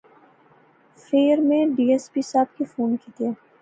فیر میں ڈی ایس پی صاحب کی فون کیتیا